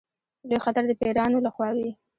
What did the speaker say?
لوی خطر د پیرانو له خوا وي.